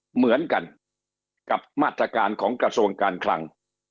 เหมือนกันกับมาตรการของกระทรวงการคลัง